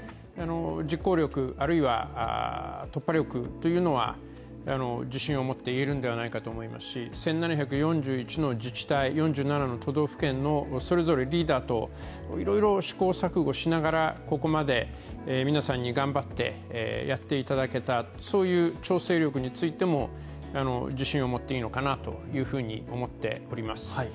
実行力、あるいは突破力というのは自信を持って言えるんじゃないかと思いますし１７４１の自治体、４７の都道府県のそれぞれリーダーといろいろ試行錯誤しながら、ここまで皆さんに頑張ってやっていただけた、そういう調整力についても自信を持っていいのかなと思っております